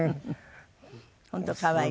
本当可愛い。